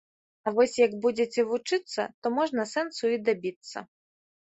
А вось, як будзеце вучыцца, то можна сэнсу і дабіцца